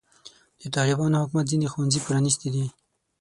د طالبانو حکومت ځینې ښوونځي پرانستې دي.